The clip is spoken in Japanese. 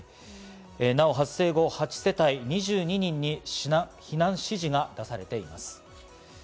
なお発生後、８世帯２２人に避難指示が出されています。